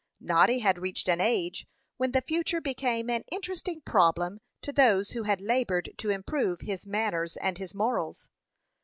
Noddy had reached an age when the future became an interesting problem to those who had labored to improve his manners and his morals.